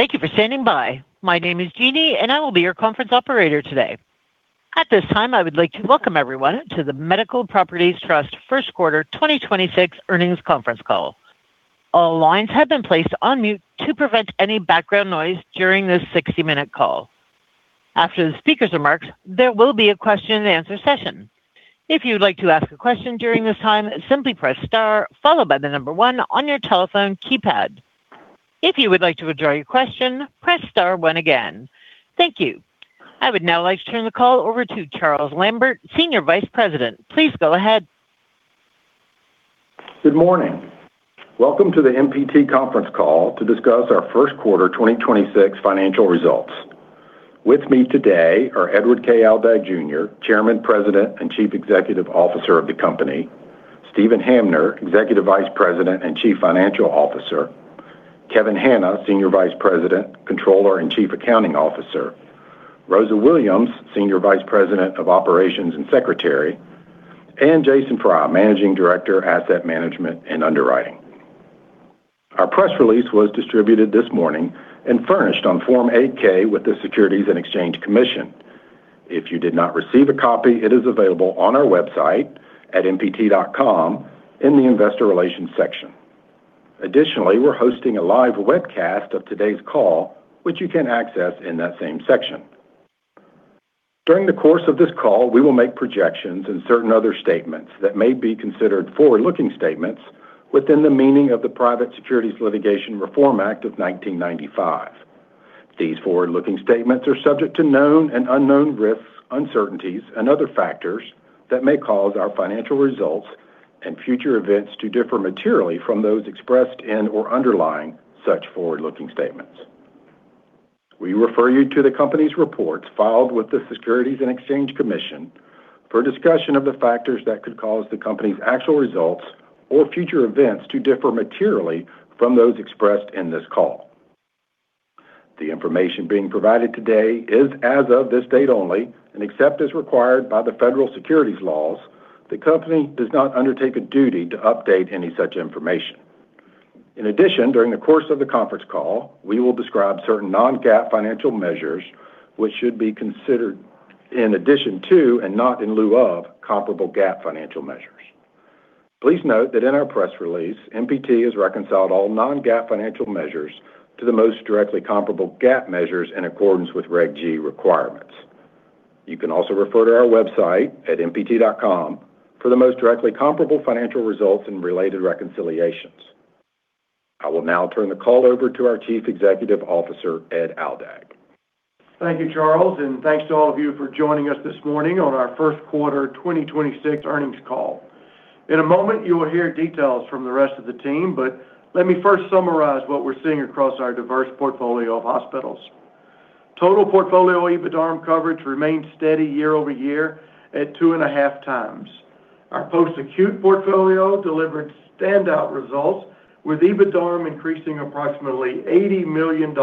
Thank you for standing by. My name is Jeannie, I will be your conference operator today. At this time, I would like to welcome everyone to the Medical Properties Trust first quarter 2026 earnings conference call. All lines have been placed on mute to prevent any background noise during this 60-minute call. After the speaker's remarks, there will be a question-and-answer session. If you would like to ask a question during this time, simply press star followed by the number one on your telephone keypad. If you would like to withdraw your question, press star one again. Thank you. I would now like to turn the call over to Charles Lambert, Senior Vice President. Please go ahead. Good morning. Welcome to the MPT conference call to discuss our first quarter 2026 financial results. With me today are Edward K. Aldag Jr., Chairman, President, and Chief Executive Officer of the company, Steven Hamner, Executive Vice President and Chief Financial Officer, Kevin Hanna, Senior Vice President, Controller, and Chief Accounting Officer, Rosa Williams, Senior Vice President of Operations and Secretary, and Jason Fry, Managing Director, Asset Management, and Underwriting. Our press release was distributed this morning and furnished on Form 8-K with the Securities and Exchange Commission. If you did not receive a copy, it is available on our website at mpt.com in the investor relations section. Additionally, we're hosting a live webcast of today's call, which you can access in that same section. During the course of this call, we will make projections and certain other statements that may be considered forward-looking statements within the meaning of the Private Securities Litigation Reform Act of 1995. These forward-looking statements are subject to known and unknown risks, uncertainties, and other factors that may cause our financial results and future events to differ materially from those expressed in or underlying such forward-looking statements. We refer you to the company's reports filed with the Securities and Exchange Commission for a discussion of the factors that could cause the company's actual results or future events to differ materially from those expressed in this call. The information being provided today is as of this date only, and except as required by the federal securities laws, the company does not undertake a duty to update any such information. In addition, during the course of the conference call, we will describe certain non-GAAP financial measures which should be considered in addition to and not in lieu of comparable GAAP financial measures. Please note that in our press release, MPT has reconciled all non-GAAP financial measures to the most directly comparable GAAP measures in accordance with Reg G requirements. You can also refer to our website at mpt.com for the most directly comparable financial results and related reconciliations. I will now turn the call over to our Chief Executive Officer, Ed Aldag. Thank you, Charles, and thanks to all of you for joining us this morning on our first quarter 2026 earnings call. In a moment, you will hear details from the rest of the team, but let me first summarize what we're seeing across our diverse portfolio of hospitals. Total portfolio EBITDARM coverage remained steady year-over-year at 2.5x. Our post-acute portfolio delivered standout results, with EBITDARM increasing approximately $80 million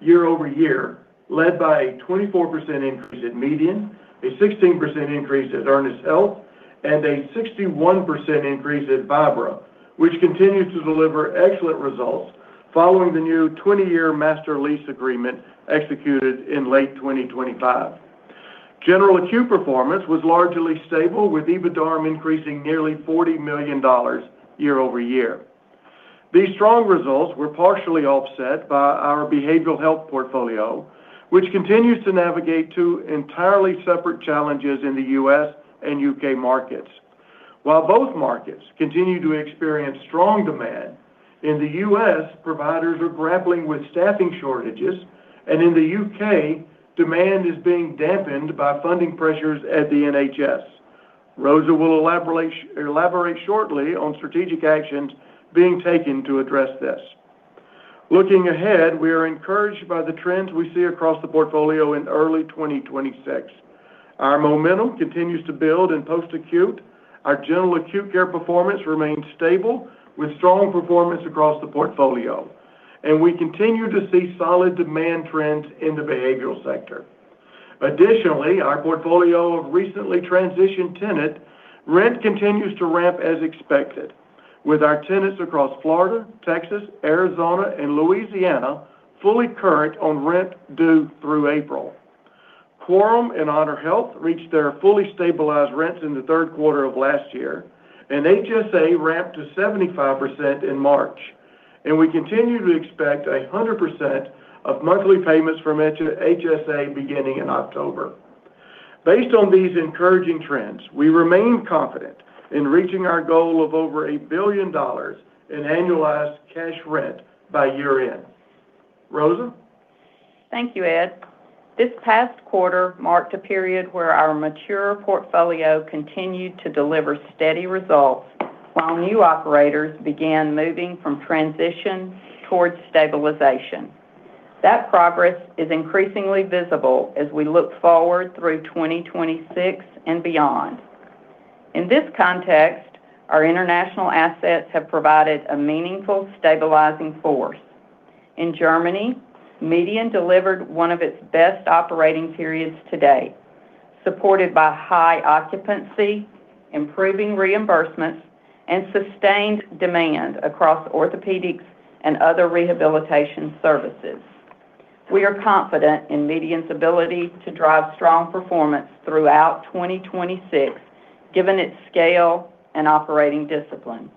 year-over-year, led by a 24% increase at MEDIAN, a 16% increase at Ernest Health, and a 61% increase at Vibra, which continues to deliver excellent results following the new 20-year master lease agreement executed in late 2025. General acute performance was largely stable, with EBITDARM increasing nearly $40 million year-over-year. These strong results were partially offset by our behavioral health portfolio, which continues to navigate two entirely separate challenges in the U.S. and U.K. markets. While both markets continue to experience strong demand, in the U.S., providers are grappling with staffing shortages, and in the U.K., demand is being dampened by funding pressures at the NHS. Rosa will elaborate shortly on strategic actions being taken to address this. Looking ahead, we are encouraged by the trends we see across the portfolio in early 2026. Our momentum continues to build in post-acute. Our general acute care performance remains stable, with strong performance across the portfolio. We continue to see solid demand trends in the behavioral sector. Additionally, our portfolio of recently transitioned tenant rent continues to ramp as expected, with our tenants across Florida, Texas, Arizona, and Louisiana fully current on rent due through April. Quorum and HonorHealth reached their fully stabilized rents in the third quarter of last year, and HSA ramped to 75% in March, and we continue to expect 100% of monthly payments from HSA beginning in October. Based on these encouraging trends, we remain confident in reaching our goal of over $1 billion in annualized cash rent by year-end. Rosa? Thank you, Ed. This past quarter marked a period where our mature portfolio continued to deliver steady results while new operators began moving from transition towards stabilization. That progress is increasingly visible as we look forward through 2026 and beyond. In this context, our international assets have provided a meaningful stabilizing force. In Germany, MEDIAN delivered one of its best operating periods to date, supported by high occupancy, improving reimbursements, and sustained demand across orthopedics and other rehabilitation services. We are confident in MEDIAN's ability to drive strong performance throughout 2026, given its scale and operating discipline.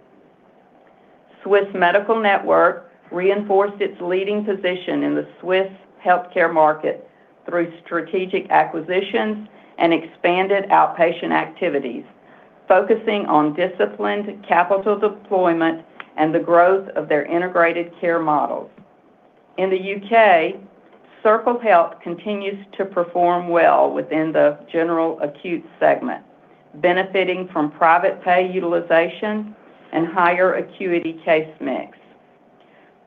Swiss Medical Network reinforced its leading position in the Swiss healthcare market through strategic acquisitions and expanded outpatient activities, focusing on disciplined capital deployment and the growth of their integrated care models. In the U.K., Circle Health continues to perform well within the general acute segment, benefiting from private pay utilization and higher acuity case mix.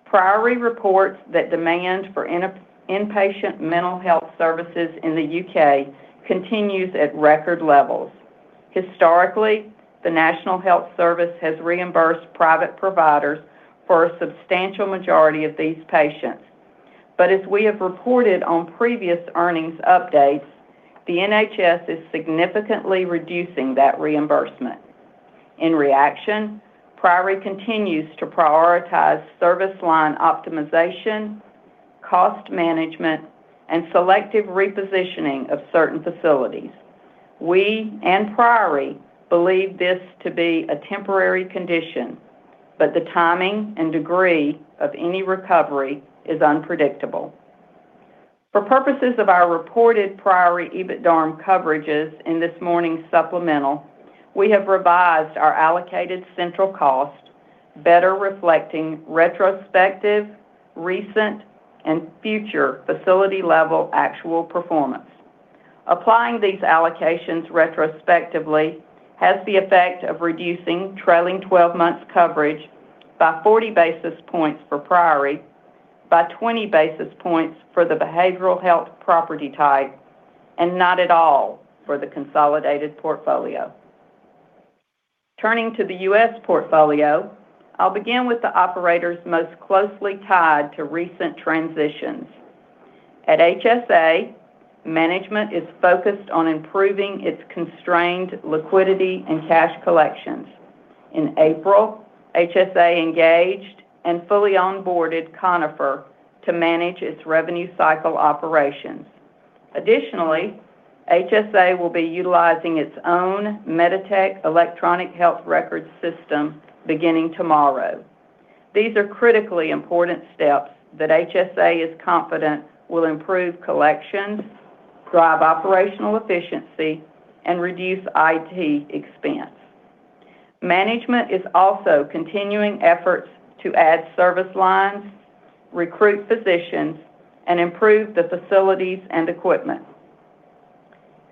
Priory reports that demand for inpatient mental health services in the U.K. continues at record levels. Historically, the National Health Service has reimbursed private providers for a substantial majority of these patients. As we have reported on previous earnings updates, the NHS is significantly reducing that reimbursement. In reaction, Priory continues to prioritize service line optimization, cost management, and selective repositioning of certain facilities. We and Priory believe this to be a temporary condition, but the timing and degree of any recovery is unpredictable. For purposes of our reported Priory EBITDARM coverages in this morning's supplemental, we have revised our allocated central cost better reflecting retrospective, recent, and future facility-level actual performance. Applying these allocations retrospectively has the effect of reducing trailing 12 months coverage by 40 basis points for Priory, by 20 basis points for the behavioral health property type, and not at all for the consolidated portfolio. Turning to the U.S. portfolio, I'll begin with the operators most closely tied to recent transitions. At HSA, management is focused on improving its constrained liquidity and cash collections. In April, HSA engaged and fully onboarded Conifer to manage its revenue cycle operations. Additionally, HSA will be utilizing its own MEDITECH electronic health records system beginning tomorrow. These are critically important steps that HSA is confident will improve collections, drive operational efficiency, and reduce IT expense. Management is also continuing efforts to add service lines, recruit physicians, and improve the facilities and equipment.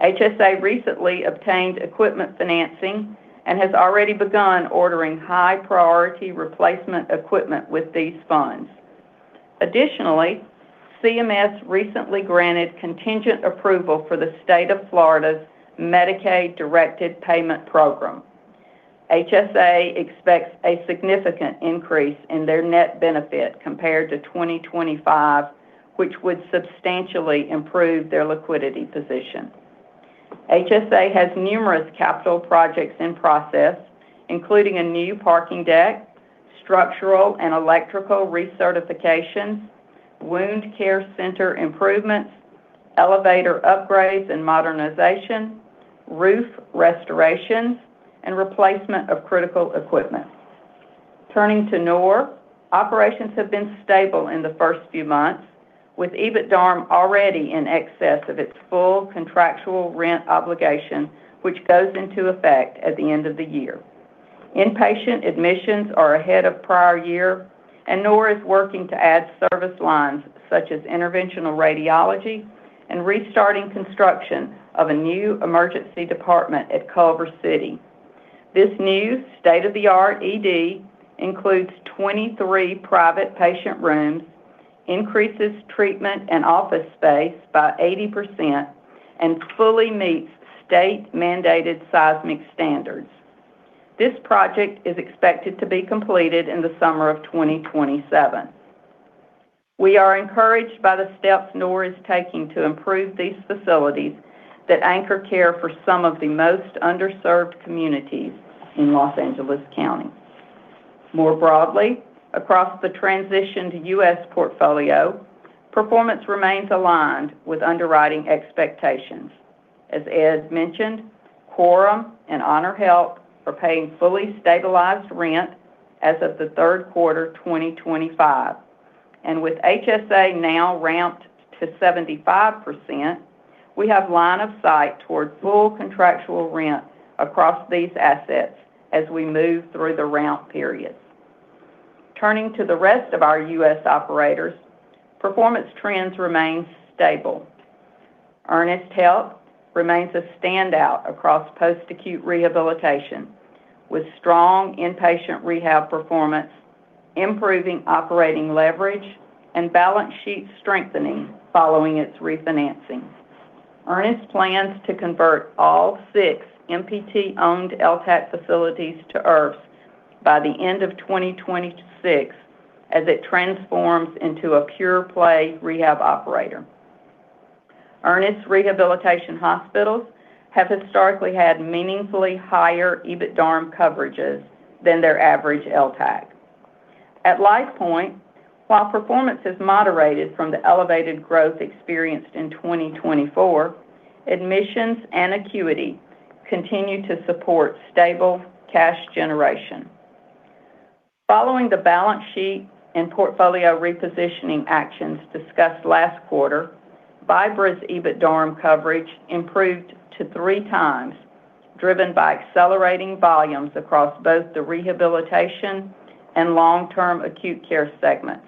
HSA recently obtained equipment financing and has already begun ordering high-priority replacement equipment with these funds. Additionally, CMS recently granted contingent approval for the state of Florida's Medicaid Directed Payment Program. HSA expects a significant increase in their net benefit compared to 2025, which would substantially improve their liquidity position. HSA has numerous capital projects in process, including a new parking deck, structural and electrical recertifications, wound care center improvements, elevator upgrades and modernization, roof restorations, and replacement of critical equipment. Turning to NOR, operations have been stable in the first few months, with EBITDARM already in excess of its full contractual rent obligation, which goes into effect at the end of the year. Inpatient admissions are ahead of prior year, and NOR is working to add service lines such as interventional radiology and restarting construction of a new emergency department at Culver City. This new state-of-the-art ED includes 23 private patient rooms, increases treatment and office space by 80%, and fully meets state-mandated seismic standards. This project is expected to be completed in the summer of 2027. We are encouraged by the steps NOR is taking to improve these facilities that anchor care for some of the most underserved communities in Los Angeles County. More broadly, across the transitioned U.S. portfolio, performance remains aligned with underwriting expectations. As Ed mentioned, Quorum Health and HonorHealth are paying fully stabilized rent as of the third quarter 2025. With HSA now ramped to 75%, we have line of sight towards full contractual rent across these assets as we move through the ramp period. Turning to the rest of our U.S. operators, performance trends remain stable. Ernest Health remains a standout across post-acute rehabilitation, with strong inpatient rehab performance, improving operating leverage, and balance sheet strengthening following its refinancing. Ernest plans to convert all six MPT-owned LTAC facilities to IRFs by the end of 2026, as it transforms into a pure-play rehab operator. Ernest Rehabilitation Hospitals have historically had meaningfully higher EBITDARM coverages than their average LTAC. At LifePoint, while performance has moderated from the elevated growth experienced in 2024, admissions and acuity continue to support stable cash generation. Following the balance sheet and portfolio repositioning actions discussed last quarter, Vibra's EBITDARM coverage improved to 3x, driven by accelerating volumes across both the rehabilitation and long-term acute care segments.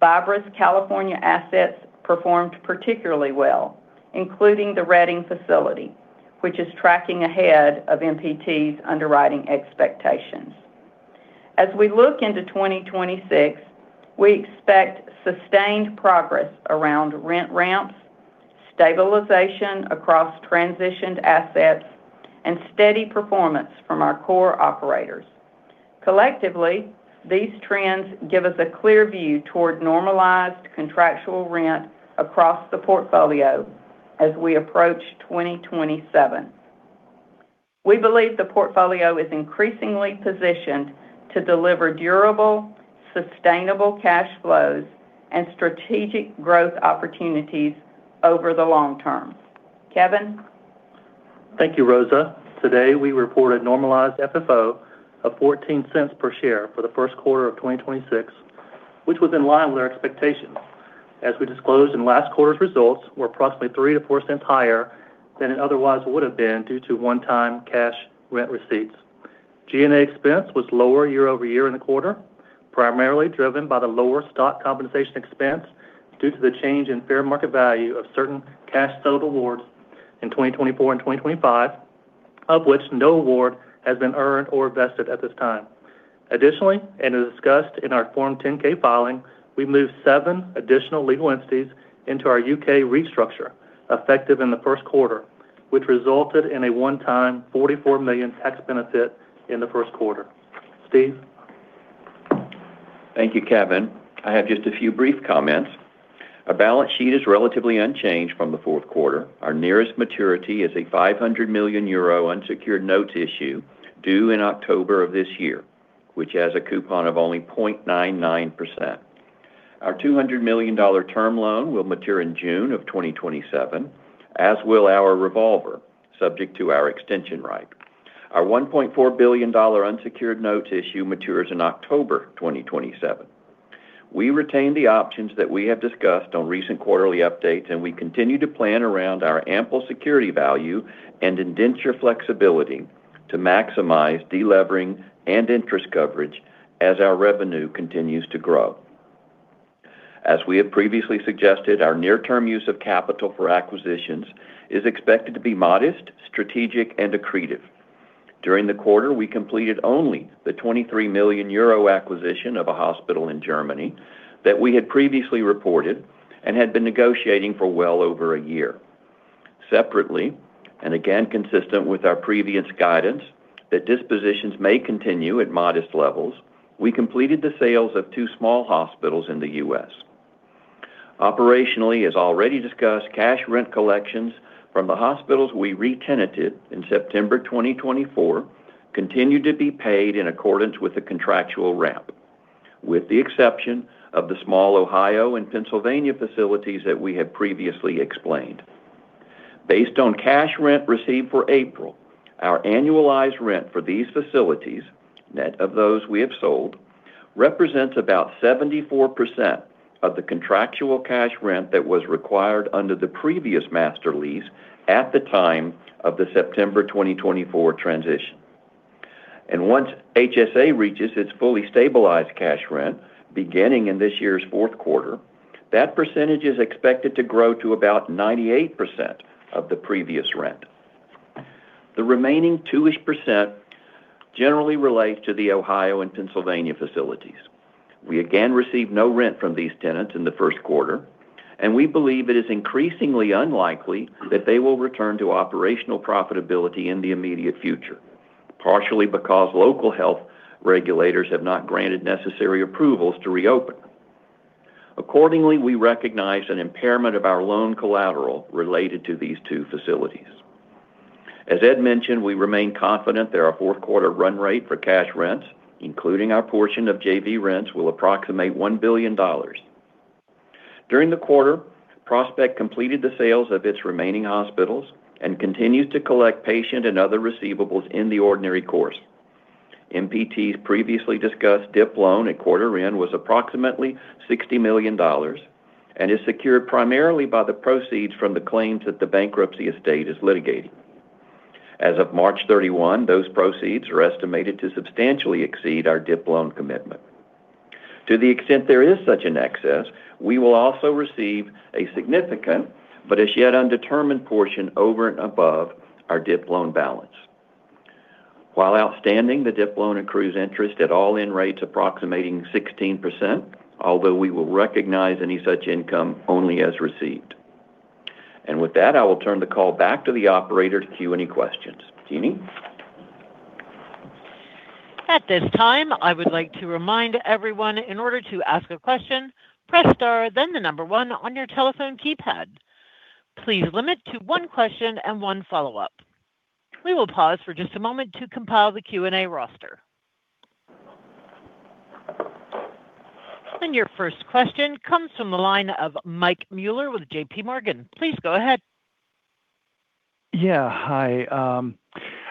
Vibra's California assets performed particularly well, including the Redding facility, which is tracking ahead of MPT's underwriting expectations. As we look into 2026, we expect sustained progress around rent ramps, stabilization across transitioned assets, and steady performance from our core operators. Collectively, these trends give us a clear view toward normalized contractual rent across the portfolio as we approach 2027. We believe the portfolio is increasingly positioned to deliver durable, sustainable cash flows and strategic growth opportunities over the long term. Kevin? Thank you, Rosa. Today, we reported normalized FFO of $0.14 per share for the first quarter of 2026, which was in line with our expectations. As we disclosed in last quarter's results, we're approximately $0.03-$0.04 higher than it otherwise would have been due to one-time cash rent receipts. G&A expense was lower year-over-year in the quarter, primarily driven by the lower stock compensation expense due to the change in fair market value of certain cash settled awards in 2024 and 2025, of which no award has been earned or vested at this time. Additionally, as discussed in our Form 10-K filing, we moved seven additional legal entities into our U.K. restructure effective in the first quarter, which resulted in a one-time $44 million tax benefit in the first quarter. Steve? Thank you, Kevin. I have just a few brief comments. Our balance sheet is relatively unchanged from the fourth quarter. Our nearest maturity is a 500 million euro unsecured notes issue due in October of this year, which has a coupon of only 0.99%. Our $200 million term loan will mature in June of 2027, as will our revolver, subject to our extension right. Our $1.4 billion unsecured notes issue matures in October 2027. We retain the options that we have discussed on recent quarterly updates, and we continue to plan around our ample security value and indenture flexibility to maximize delevering and interest coverage as our revenue continues to grow. As we have previously suggested, our near-term use of capital for acquisitions is expected to be modest, strategic, and accretive. During the quarter, we completed only the 23 million euro acquisition of a hospital in Germany that we had previously reported and had been negotiating for well over a year. Separately, and again consistent with our previous guidance that dispositions may continue at modest levels, we completed the sales of two small hospitals in the U.S. Operationally, as already discussed, cash rent collections from the hospitals we re-tenanted in September 2024 continue to be paid in accordance with the contractual ramp, with the exception of the small Ohio and Pennsylvania facilities that we have previously explained. Based on cash rent received for April, our annualized rent for these facilities, net of those we have sold, represents about 74% of the contractual cash rent that was required under the previous master lease at the time of the September 2024 transition. Once HSA reaches its fully stabilized cash rent beginning in this year's fourth quarter, that percentage is expected to grow to about 98% of the previous rent. The remaining 2% generally relates to the Ohio and Pennsylvania facilities. We again received no rent from these tenants in the first quarter, and we believe it is increasingly unlikely that they will return to operational profitability in the immediate future, partially because local health regulators have not granted necessary approvals to reopen. Accordingly, we recognize an impairment of our loan collateral related to these two facilities. As Ed mentioned, we remain confident that our fourth quarter run rate for cash rents, including our portion of JV rents, will approximate $1 billion. During the quarter, Prospect completed the sales of its remaining hospitals and continues to collect patient and other receivables in the ordinary course. MPT's previously discussed DIP loan at quarter end was approximately $60 million and is secured primarily by the proceeds from the claims that the bankruptcy estate is litigating. As of March 31, those proceeds are estimated to substantially exceed our DIP loan commitment. To the extent there is such an excess, we will also receive a significant but as yet undetermined portion over and above our DIP loan balance. While outstanding, the DIP loan accrues interest at all-in rates approximating 16%, although we will recognize any such income only as received. With that, I will turn the call back to the operator to queue any questions. Jeannie? At this time, I would like to remind everyone in order to ask a question, press star then the number one on your telephone keypad. Please limit to one question and one follow-up. We will pause for just a moment to compile the Q&A roster. Your first question comes from the line of Michael Mueller with JPMorgan. Please go ahead. Yeah. Hi.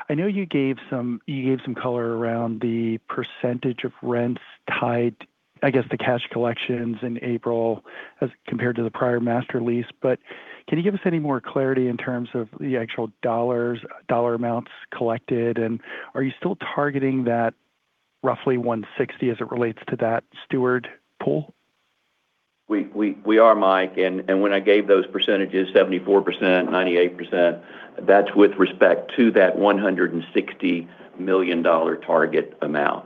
I know you gave some, you gave some color around the percentage of rents tied, I guess, the cash collections in April as compared to the prior master lease. Can you give us any more clarity in terms of the actual dollars, dollar amounts collected, and are you still targeting that roughly $160 as it relates to that Steward pool? We are, Mike. When I gave those percentages, 74%, 98%, that's with respect to that $160 million target amount.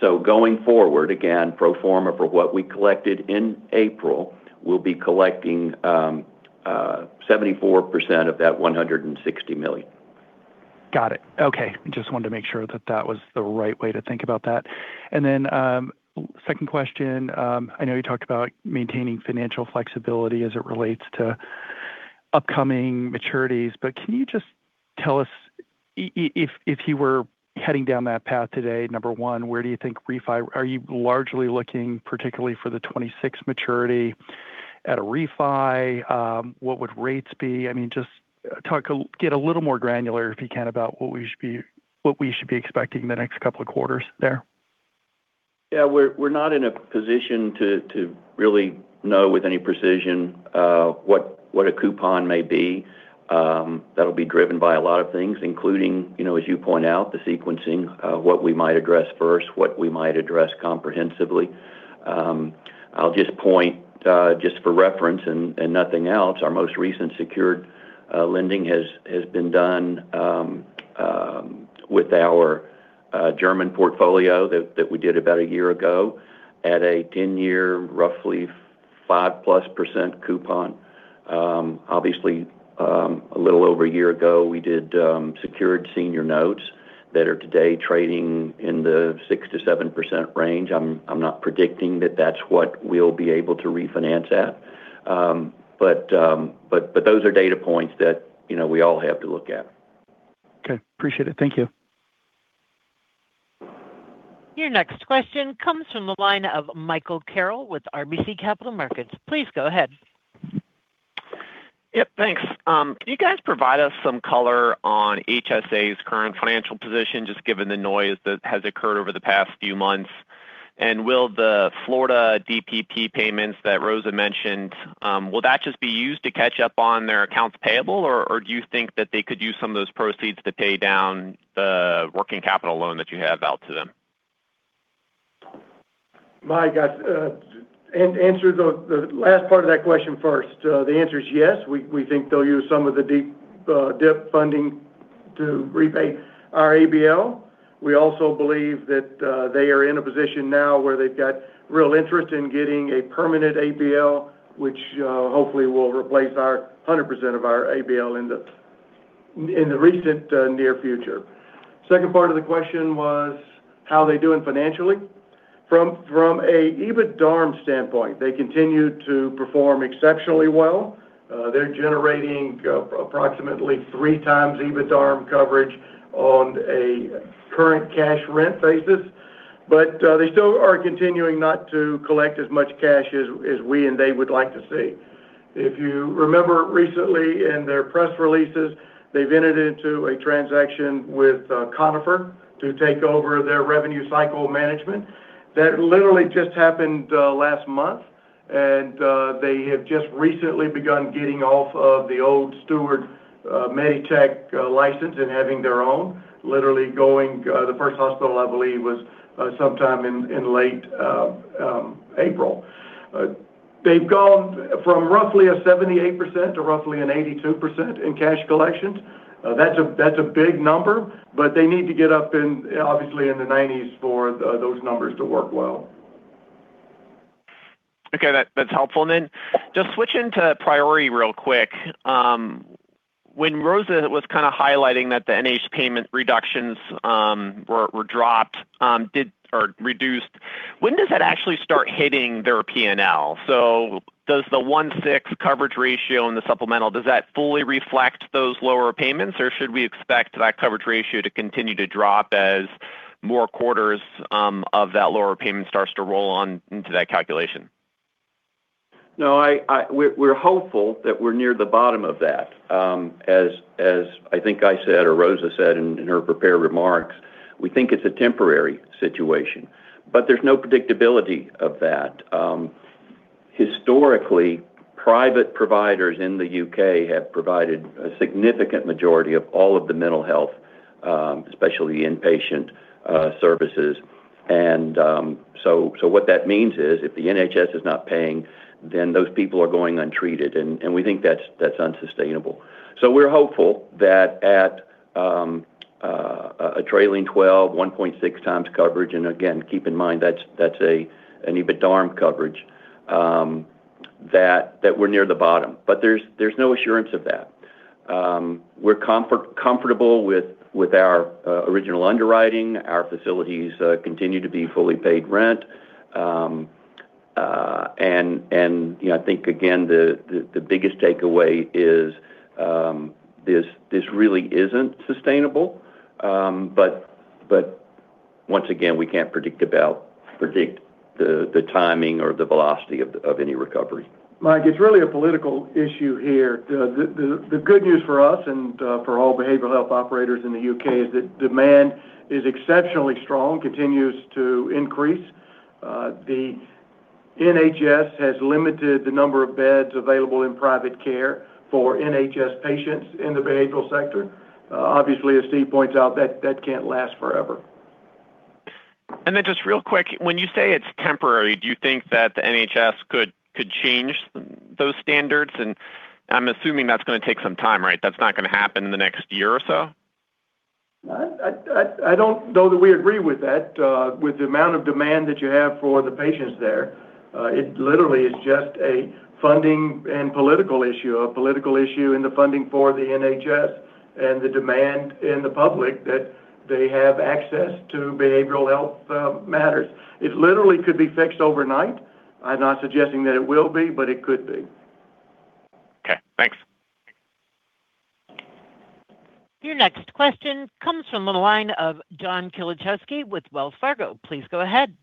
Going forward, again, pro forma for what we collected in April, we'll be collecting 74% of that $160 million. Got it. Okay. Just wanted to make sure that that was the right way to think about that. Second question. I know you talked about maintaining financial flexibility as it relates to upcoming maturities, can you just tell us if you were heading down that path today, number one, where do you think refi? Are you largely looking particularly for the 2026 maturity at a refi? What would rates be? I mean, just get a little more granular, if you can, about what we should be expecting the next couple of quarters there. Yeah. We're not in a position to really know with any precision what a coupon may be. That'll be driven by a lot of things, including, you know, as you point out, the sequencing of what we might address first, what we might address comprehensively. I'll just point, just for reference and nothing else, our most recent secured lending has been done with our German portfolio that we did about one year ago at a 10-year, roughly 5%+ coupon. Obviously, a little over one year ago, we did secured senior notes that are today trading in the 6%-7% range. I'm not predicting that that's what we'll be able to refinance at. Those are data points that, you know, we all have to look at. Okay. Appreciate it. Thank you. Your next question comes from the line of Michael Carroll with RBC Capital Markets. Please go ahead. Yep. Thanks. Can you guys provide us some color on HSA's current financial position, just given the noise that has occurred over the past few months? Will the Florida DPP payments that Rosa mentioned, will that just be used to catch up on their accounts payable, or do you think that they could use some of those proceeds to pay down the working capital loan that you have out to them? Mike, I answer the last part of that question first. The answer is yes. We think they'll use some of the DIP funding to repay our ABL. We also believe that they are in a position now where they've got real interest in getting a permanent ABL, which hopefully will replace our 100% of our ABL in the recent near future. Second part of the question was how are they doing financially. From an EBITDARM standpoint, they continue to perform exceptionally well. They're generating approximately 3x EBITDARM coverage on a current cash rent basis. They still are continuing not to collect as much cash as we and they would like to see. If you remember recently in their press releases, they've entered into a transaction with Conifer to take over their revenue cycle management. That literally just happened last month, and they have just recently begun getting off of the old Steward MEDITECH license and having their own, literally going, the first hospital, I believe, was sometime in late April. They've gone from roughly a 78% to roughly an 82% in cash collections. That's a big number, but they need to get up in, obviously in the 90s for those numbers to work well. Okay. That's helpful. Just switching to Priory real quick. When Rosa was kind of highlighting that the NHS payment reductions were dropped or reduced, when does that actually start hitting their P&L? Does the 1/6 coverage ratio in the supplemental fully reflect those lower payments, or should we expect that coverage ratio to continue to drop as more quarters of that lower payment starts to roll on into that calculation? No, we're hopeful that we're near the bottom of that. As I think I said or Rosa said in her prepared remarks, we think it's a temporary situation. There's no predictability of that. Historically, private providers in the U.K. have provided a significant majority of all of the mental health, especially inpatient services. What that means is if the NHS is not paying, then those people are going untreated, and we think that's unsustainable. We're hopeful that at a trailing 12, 1.6x coverage, and again, keep in mind, that's an EBITDARM coverage, that we're near the bottom. There's no assurance of that. We're comfortable with our original underwriting. Our facilities continue to be fully paid rent. You know, I think again, the biggest takeaway is, this really isn't sustainable. Once again, we can't predict the timing or the velocity of any recovery. Mike, it's really a political issue here. The good news for us and for all behavioral health operators in the U.K. is that demand is exceptionally strong, continues to increase. The NHS has limited the number of beds available in private care for NHS patients in the behavioral sector. Obviously, as Steve points out, that can't last forever. Just real quick, when you say it's temporary, do you think that the NHS could change those standards? I'm assuming that's gonna take some time, right? That's not gonna happen in the next year or so. I don't know that we agree with that. With the amount of demand that you have for the patients there, it literally is just a funding and political issue and the funding for the NHS and the demand in the public that they have access to behavioral health matters. It literally could be fixed overnight. I'm not suggesting that it will be, but it could be. Okay, thanks. Your next question comes from the line of John Kilichowski with Wells Fargo. Please go ahead.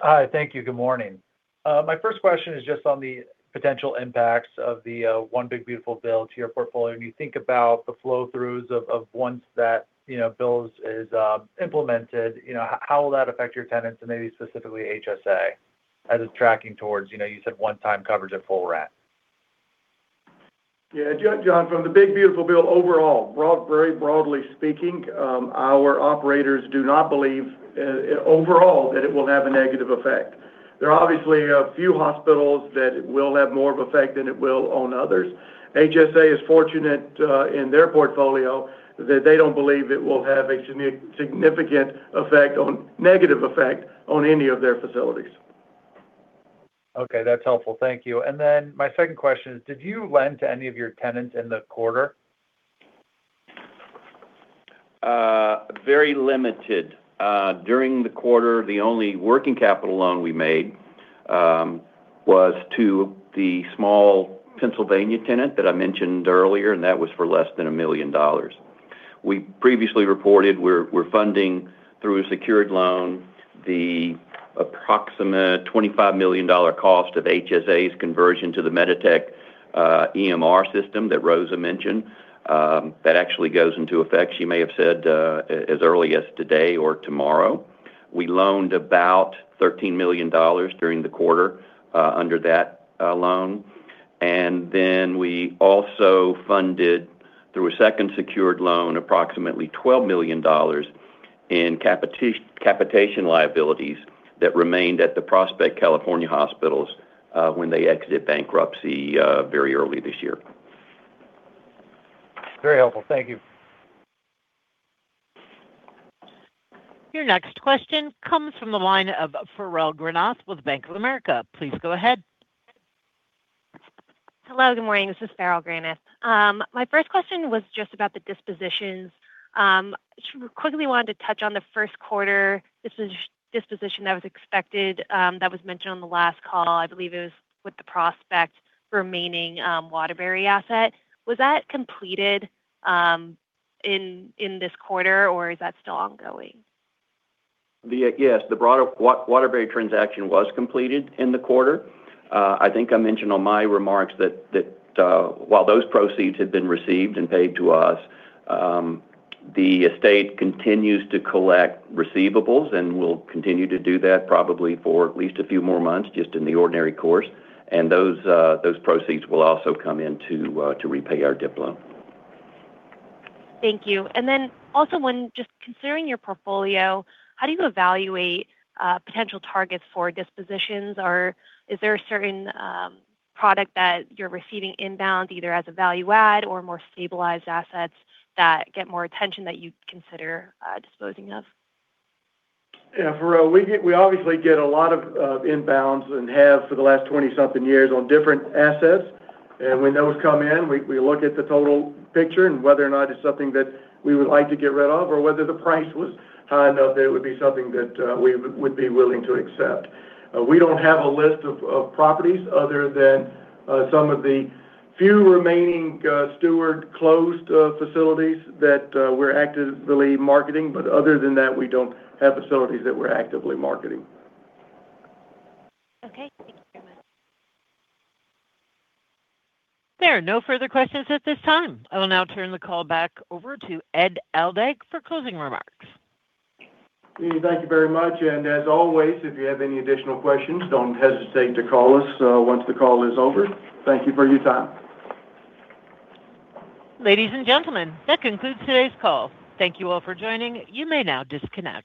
Hi, thank you. Good morning. My first question is just on the potential impacts of the one big beautiful bill to your portfolio. When you think about the flow throughs of once that, you know, bills is implemented, you know, how will that affect your tenants and maybe specifically HCA as it's tracking towards, you know, you said one time coverage at full rate? John, from the big beautiful bill overall, very broadly speaking, our operators do not believe overall that it will have a negative effect. There are obviously a few hospitals that it will have more of effect than it will on others. HCA is fortunate in their portfolio that they don't believe it will have a significant negative effect on any of their facilities. Okay, that's helpful. Thank you. My second question is, did you lend to any of your tenants in the quarter? Very limited. During the quarter, the only working capital loan we made was to the small Pennsylvania tenant that I mentioned earlier, and that was for less than $1 million. We previously reported we're funding through a secured loan the approximate $25 million cost of HSA's conversion to the MEDITECH EMR system that Rosa mentioned, that actually goes into effect, she may have said, as early as today or tomorrow. We loaned about $13 million during the quarter under that loan. Then we also funded through a second secured loan approximately $12 million in capitation liabilities that remained at the Prospect California hospitals when they exited bankruptcy very early this year. Very helpful. Thank you. Your next question comes from the line of Farrell Granath with Bank of America. Please go ahead. Hello, good morning. This is Farrell Granath. My first question was just about the dispositions. Just quickly wanted to touch on the first quarter disposition that was expected, that was mentioned on the last call. I believe it was with the Prospect remaining Waterbury asset. Was that completed in this quarter, or is that still ongoing? The, yes, the broader Waterbury transaction was completed in the quarter. I think I mentioned on my remarks that while those proceeds had been received and paid to us, the estate continues to collect receivables and will continue to do that probably for at least a few more months, just in the ordinary course. Those proceeds will also come in to repay our DIP loan. Thank you. Also when just considering your portfolio, how do you evaluate potential targets for dispositions? Is there a certain product that you're receiving inbound, either as a value add or more stabilized assets that get more attention that you'd consider disposing of? Yeah, Farrell, we obviously get a lot of inbounds and have for the last 20-something years on different assets. When those come in, we look at the total picture and whether or not it's something that we would like to get rid of or whether the price was high enough that it would be something that we would be willing to accept. We don't have a list of properties other than some of the few remaining Steward closed facilities that we're actively marketing. Other than that, we don't have facilities that we're actively marketing. Okay, thank you very much. There are no further questions at this time. I will now turn the call back over to Ed Aldag for closing remarks. Amy, thank you very much. As always, if you have any additional questions, don't hesitate to call us once the call is over. Thank you for your time. Ladies and gentlemen, that concludes today's call. Thank you all for joining. You may now disconnect.